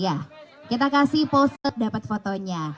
ya kita kasih pose dapat fotonya